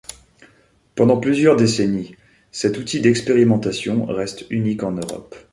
Pendant plusieurs décennies, cet outil d'expérimentation reste unique en Europe.